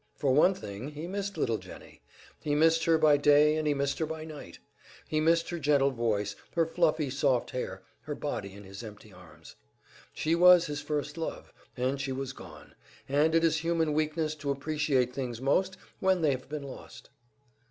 For one thing, he missed little Jennie, he missed her by day and he missed her by night. He missed her gentle voice, her fluffy soft hair, her body in his empty arms. She was his first love, and she was gone, and it is human weakness to appreciate things most when they have been lost.